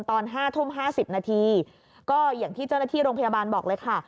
ตอน๕ทุ่ม๕๐นาทีก็อย่างที่เจ้าหน้าที่โรงพยาบาลบอกเลยค่ะ